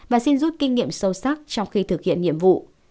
và xin rút kinh nghiệm sâu sắc trong khi thực hiện nhiệm vụ